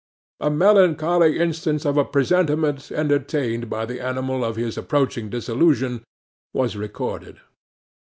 A melancholy instance of a presentiment entertained by the animal of his approaching dissolution, was recorded.